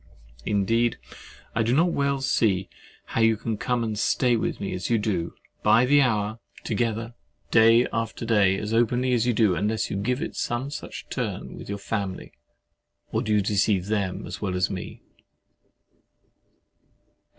Indeed I do not well see how you can come and stay with me as you do, by the hour together, and day after day, as openly as you do, unless you give it some such turn with your family. Or do you deceive them as well as me?